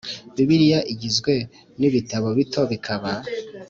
Bibiliya igizwe n ibitabo bito bikaba